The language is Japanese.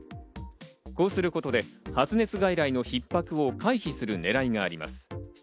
こうすることで発熱外来のひっ迫を回避する狙いがあります。